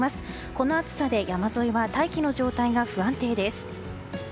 この暑さで山沿いは大気の状態が不安定です。